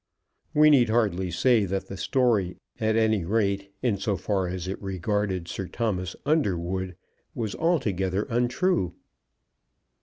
We need hardly say that the story, at any rate in so far as it regarded Sir Thomas Underwood, was altogether untrue.